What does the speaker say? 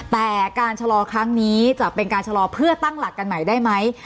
แต่การชะลอครั้งนี้จะเป็นการชะลอเพื่อตั้งหลักกันใหม่ได้ไหม